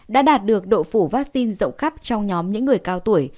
đã đạt được độ phủ vaccine rộng khắp trong nhóm những người cao tuổi